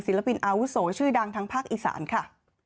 ปินอาวุโสชื่อดังทั้งภาคอีสานค่ะ